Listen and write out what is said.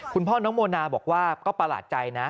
คุณพ่อน้องโมนาบอกว่าก็ประหลาดใจนะ